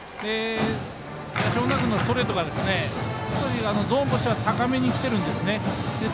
東恩納君のストレートが少しゾーンとしては高めにきてるんですね。